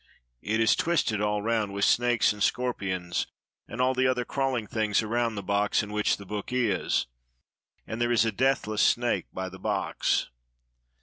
It is twisted all round with snakes and scorpions and all the other crawling things around the box in which the book is; and there is a deathless 49 EGYPT snake by the box."